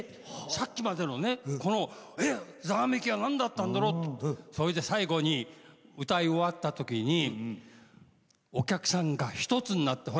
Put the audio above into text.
さっきまでのざわめきはなんだったんだろうってそれで最後に歌い終わったときにお客さんが一つになって。